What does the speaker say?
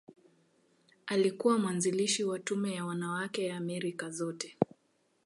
Alikuwa mwanzilishi wa Tume ya Wanawake ya Amerika Zote.